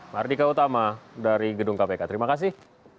mardika utama dari gedung kpk terima kasih